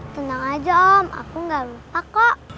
tenang aja om aku gak lupa kok